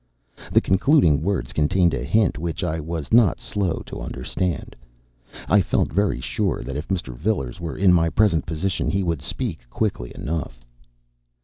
The concluding words contained a hint which I was not slow to understand. I felt very sure that if Mr. Vilars were in my present position he would speak quickly enough.